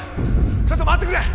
ちょっと待ってくれ！